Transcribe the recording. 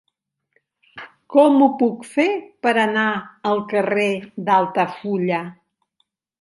Com ho puc fer per anar al carrer d'Altafulla?